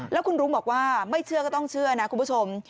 แล้วคุณรุ้งบอกว่าไม่เชื่อก็ต้องเชื่อนะคุณผู้ชม